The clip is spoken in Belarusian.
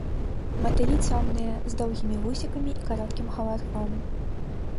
Матылі цёмныя, з доўгімі вусікамі і кароткім хабатком.